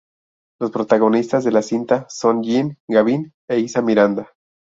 Los protagonistas de la cinta son Jean Gabin e Isa Miranda.